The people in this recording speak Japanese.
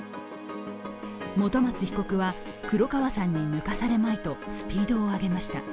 本松被告は黒川さんに抜かされまいとスピードを上げました。